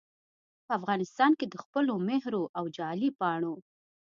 په افغانستان کې دخپلو مهرو او جعلي پاڼو